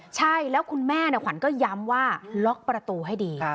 ใช่แล้วคุณแม่ขวัญก็ย้ำว่าล็อกประตูให้ดี